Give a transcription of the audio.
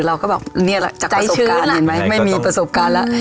เราก็บอกเนี่ยจากประสบการณ์เห็นไหมไม่มีประสบการณ์แล้ว